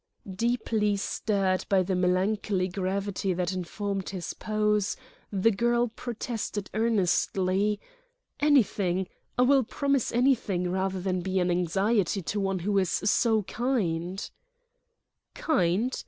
Deeply stirred by the melancholy gravity that informed his pose, the girl protested earnestly: "Anything—I will promise anything, rather than be an anxiety to one who is so kind." "Kind?